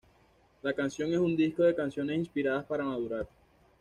La canción es un disco de canciones inspiradas para madurar.